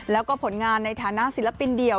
แล้วก็ผลงานในฐานะศิลปินเดี่ยว